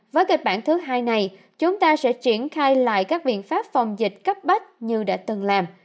với kịch bản thứ hai này chúng ta sẽ triển khai lại các biện pháp phòng dịch cấp bách như đã từng làm